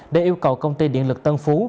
đã yêu cầu công ty điện lực tân phú